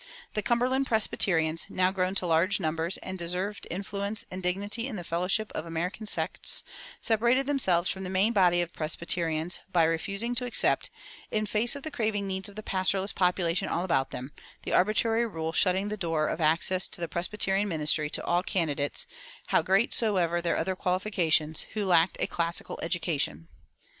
The Cumberland Presbyterians, now grown to large numbers and deserved influence and dignity in the fellowship of American sects, separated themselves from the main body of Presbyterians by refusing to accept, in face of the craving needs of the pastorless population all about them, the arbitrary rule shutting the door of access to the Presbyterian ministry to all candidates, how great soever their other qualifications, who lacked a classical education.